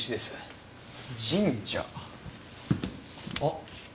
あっ。